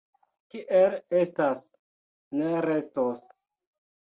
Kiel estas, ne restos.